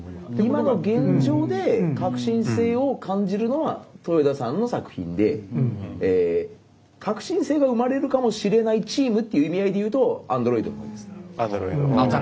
今の現状で革新性を感じるのは豊田さんの作品で革新性が生まれるかもしれないチームっていう意味合いで言うと「アンドロイド」の方です。